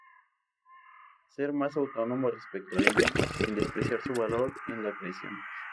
A ser más autónomo respecto a ella, sin despreciar su valor en la creación.